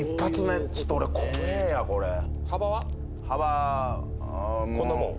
幅こんなもん？